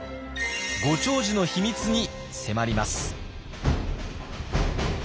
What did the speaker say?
ご長寿の秘密に迫ります。